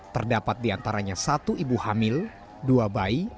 terdapat di antaranya satu ibu hamil dua bayi